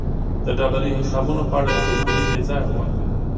د ډالري حسابونو په اړه یې خوشبیني بې ځایه وه.